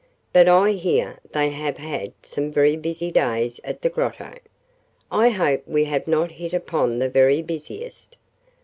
But I hear they have had some very busy days at the Grotto. I hope we have not hit upon the very busiest.